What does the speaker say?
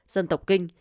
dân tộc kinh